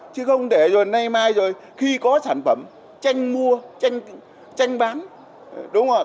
chứ không để rồi nay mai rồi khi có sản phẩm tranh mua tranh bán đúng không ạ